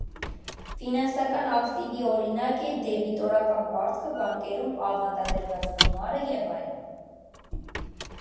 Ֆինանսական ակտիվի օրինակ է դեբիտորական պարտքը, բանկերում ավանդադրված գումարը և այլն։